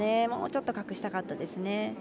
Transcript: もうちょっと隠したかったですね。